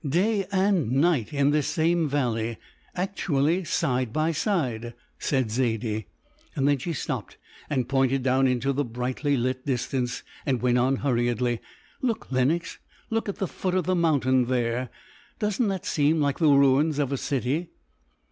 "Day and night in this same valley, actually side by side!" said Zaidie. Then she stopped and pointed down into the brightly lit distance, and went on hurriedly, "Look, Lenox; look at the foot of the mountain there! Doesn't that seem like the ruins of a city?"